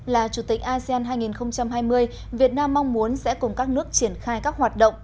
là chủ tịch asean hai nghìn hai mươi việt nam mong muốn sẽ cùng các nước triển khai các hoạt động